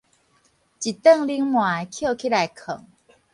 一頓冷糜抾起來囥